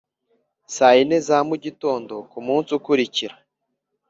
saa yine za mu gitondo ku munsi ukurikira